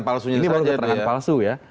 palsunya saja ini baru keterangan palsu ya